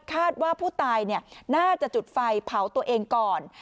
คาดว่าผู้ตายน่าจะจุดไฟเผาตัวเองก่อน